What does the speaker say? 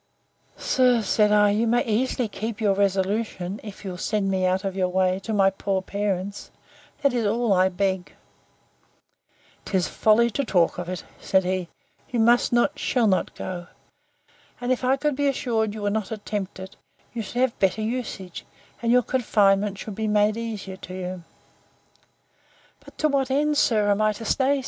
Sir, said I, you may easily keep your resolution, if you'll send me out of your way, to my poor parents; that is all I beg. 'Tis a folly to talk of it, said he. You must not, shall not go! And if I could be assured you would not attempt it, you should have better usage, and your confinement should be made easier to you. But to what end, sir, am I to stay?